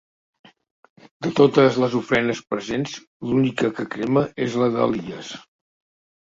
De totes les ofrenes presents, l'única que crema és la d'Elies.